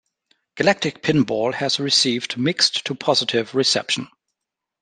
"Galactic Pinball" has received mixed to positive reception.